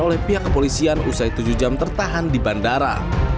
oleh pihak kepolisian usai tujuh jam tertahan di bandara